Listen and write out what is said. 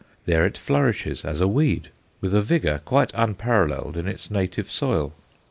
There it flourishes as a weed, with a vigour quite unparalleled in its native soil.